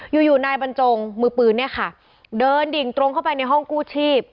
อยู่อยู่นายบรรจงมือปืนเนี่ยค่ะเดินดิ่งตรงเข้าไปในห้องกู้ชีพ